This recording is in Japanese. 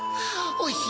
・おいしい！